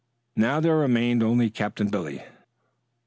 Now there remained only Captain Billy.